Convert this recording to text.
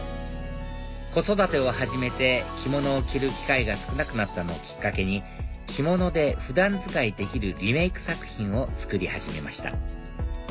子育てを始めて着物を着る機会が少なくなったのをきっかけに着物で普段使いできるリメイク作品を作り始めました